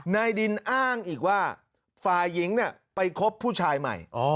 นายดินอ้างอีกว่าฝ่ายหญิงไปคบผู้ชายใหม่